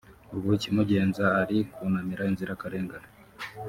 ubu ikimugenza ari kunamira inzirakarengane